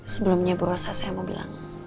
sebelumnya berasa saya mau bilang